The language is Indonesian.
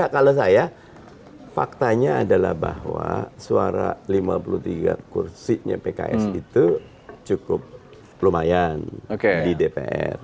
kalau saya faktanya adalah bahwa suara lima puluh tiga kursinya pks itu cukup lumayan di dpr